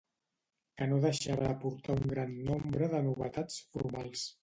Que no deixava d'aportar un gran nombre de novetats formals.